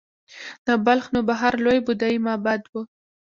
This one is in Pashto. د بلخ نوبهار لوی بودايي معبد و